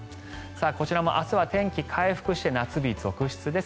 こちらも明日は天気回復して夏日続出です。